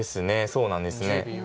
そうなんですね。